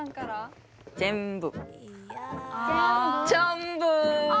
全部。